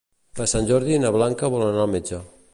Per Sant Jordi na Blanca vol anar al metge.